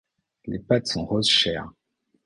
Les pattes sont rose chair.